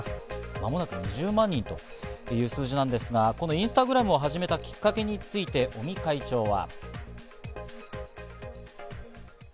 間もなく２０万人という数字なんですが、このインスタグラムを始めたきっかけについて尾身会長は。